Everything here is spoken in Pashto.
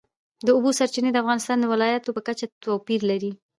د اوبو سرچینې د افغانستان د ولایاتو په کچه توپیر لري.